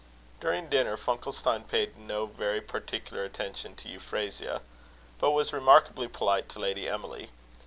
During dinner, Funkelstein paid no very particular attention to Euphrasia, but was remarkably polite to Lady Emily.